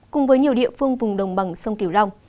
cùng với nhiều địa phương vùng đồng bằng sông kiều long